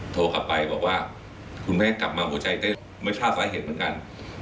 โทรกลับไปบอกว่าคุณแม่กลับมาหัวใจได้ไม่ทราบสาเหตุเหมือนกัน